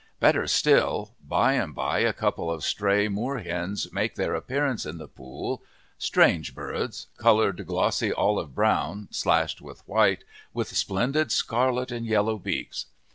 Better still, by and by a couple of stray moorhens make their appearance in the pool strange birds, coloured glossy olive brown, slashed with white, with splendid scarlet and yellow beaks!